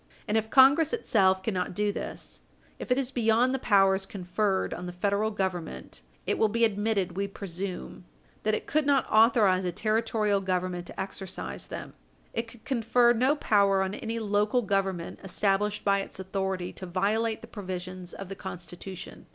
And if Congress itself cannot do this if it is beyond the powers conferred on the Federal Government it will be admitted, we presume, that it could not authorize a Territorial Government to exercise them. It could confer no power on any local Government established by its authority to violate the provisions of the Constitution.